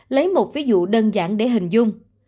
lấy một ví dụ đơn giản để hình dung